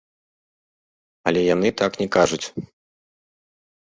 Але яны так не кажуць.